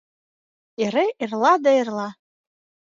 Эре «эрла» да «эрла».